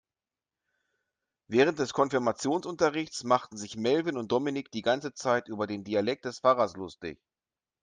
Während des Konfirmationsunterrichts machten sich Melvin und Dominik die ganze Zeit über den Dialekt des Pfarrers lustig.